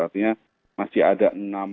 artinya masih ada enam